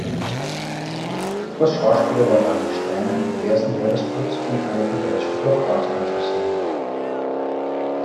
Als Schauspieler war Daniel Steiner in diversen Werbespots und einigen deutschen Blockbustern zu sehen.